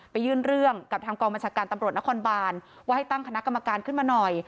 ยื่นเรื่องกับทางกองบัญชาการตำรวจนครบานว่าให้ตั้งคณะกรรมการขึ้นมาหน่อย